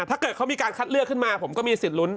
ถ้าเกิดเขามีการคัดเลือกขึ้นมาผมก็มีสิทธิลุ้น